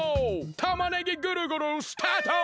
たまねぎぐるぐるスタート！